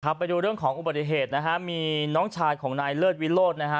ไปดูเรื่องของอุบัติเหตุนะฮะมีน้องชายของนายเลิศวิโรธนะฮะ